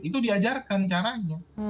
itu diajarkan caranya